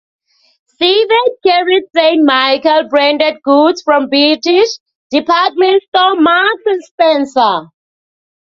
Sayvette carried Saint Michael-branded goods from British department store Marks and Spencer.